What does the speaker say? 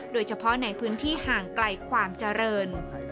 โดยเฉพาะในพื้นที่ห่างไกลความเจริญ